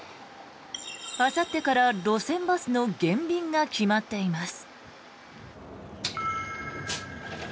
あさってから路線バスの減便が決まっています。